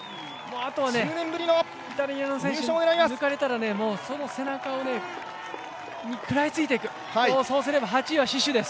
あとはイタリアの選手に抜かれたらその背中に食らいついていくそうすれば８位は死守です。